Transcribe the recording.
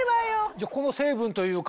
じゃあこの成分というか。